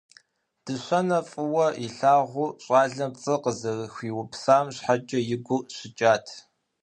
Дыщэнэ фӏыуэ илъагъу щӏалэм пцӏы къызэрыхуиупсам щхьэкӏэ и гур щыкӏат.